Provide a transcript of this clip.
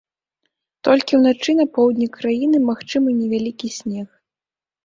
Толькі ўначы па поўдні краіны магчымы невялікі снег.